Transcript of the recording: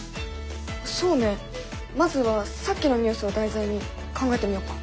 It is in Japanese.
そうねまずはさっきのニュースを題材に考えてみよっか。